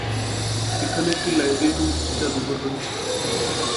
এখানে একটি লাইব্রেরী ও একটি জাদুঘর রয়েছে।